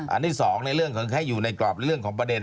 ที่สองในเรื่องของให้อยู่ในกรอบเรื่องของประเด็น